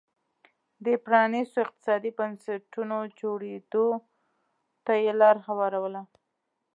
د پرانیستو اقتصادي بنسټونو جوړېدو ته یې لار هواروله